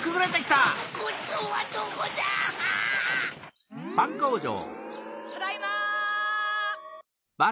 ただいま！